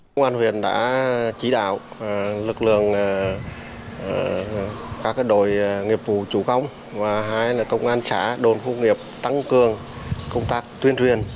cơ quan huyện đã chỉ đạo lực lượng các đội nghiệp vụ chủ công và hai là công an xã đồn phúc nghiệp tăng cường công tác tuyên truyền